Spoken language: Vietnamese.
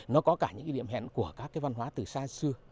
nó có cả những điểm hẹn của các văn hóa từ xa xưa